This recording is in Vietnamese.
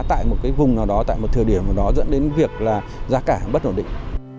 tại một vùng nào đó tại một thời điểm nào đó dẫn đến việc là giá cả bất ổn định